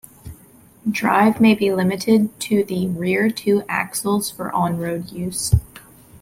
Drive may be limited to the rear two axles for on-road use.